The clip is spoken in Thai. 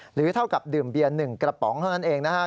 หรือเท่ากับดื่มเบียน๑กระป๋องเท่านั้นเองนะครับ